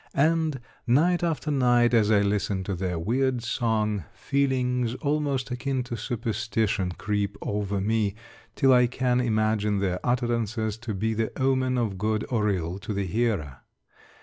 And, night after night as I listen to their weird song, feelings almost akin to superstition creep over me, till I can imagine their utterances to be the omen of good or ill to the hearer.